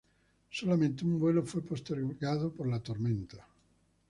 Solamente un vuelo fue postergado por la tormenta.